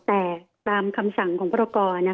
แต่ตามคำสั่งของพระกร